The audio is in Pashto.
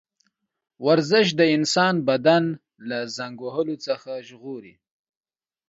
ورزش د انسان بدن له زنګ وهلو څخه ژغوري.